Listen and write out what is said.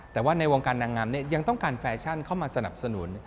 แต่ว่าในวงการนางงามยังต้องการแฟชั่นเข้ามาสนับสนุน